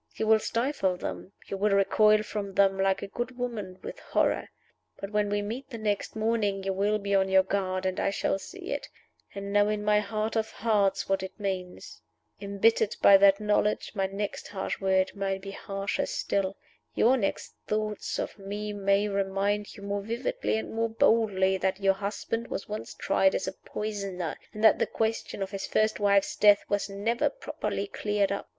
You will stifle them; you will recoil from them, like a good woman, with horror. But when we meet the next morning you will be on your guard, and I shall see it, and know in my heart of hearts what it means. Imbittered by that knowledge, my next harsh word may be harsher still. Your next thoughts of me may remind you more vividly and more boldly that your husband was once tried as a poisoner, and that the question of his first wife's death was never properly cleared up.